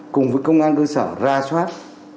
cùng với công an cơ sở ra soát